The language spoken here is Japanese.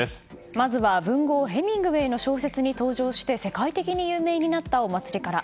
まずは文豪ヘミングウェイの小説に登場して世界的に有名になったお祭りから。